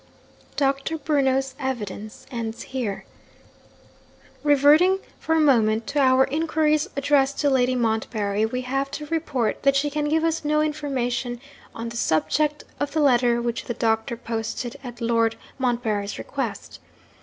'Doctor Bruno's evidence ends here. 'Reverting for a moment to our inquiries addressed to Lady Montbarry, we have to report that she can give us no information on the subject of the letter which the doctor posted at Lord Montbarry's request.